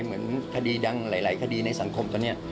เหมือนคดีดังหลายคดีในสังคมตอนนี้